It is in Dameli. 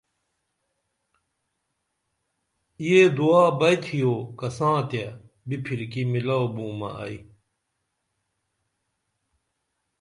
یہ دعا بئی تھیو کساں تیہ بِپھرکی میلو بومہ ائی